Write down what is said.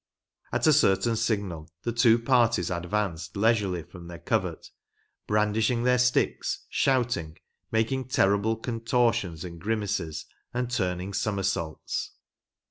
At a certain signal the two parties advanced leisurely from their covert, brandishhig their sticks, shouting, making terrible contortions and grimaces and turning somersaults.